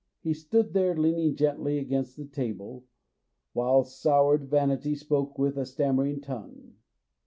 He stood there leaning gently against the table, while soured vanity spoke with a stammering tongue.